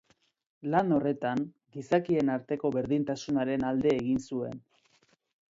Lan horretan, gizakien arteko berdintasunaren alde egin zuen.